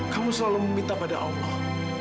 kamu selalu meminta pada allah